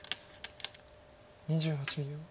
２８秒。